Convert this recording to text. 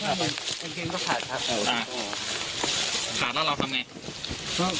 ขัดแล้วเราทำไง